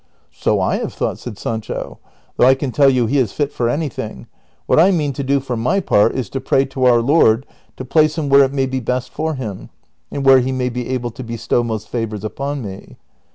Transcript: So I have thought," said Sancho ;" though I can tell you he is fit for anything : what I mean to do for my part is to pray to our Lord to place him Avhere it may be best for him, and where he may be able to bestow most favors upon me."